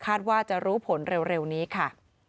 ว่าจะรู้ผลเร็วนี้ค่ะ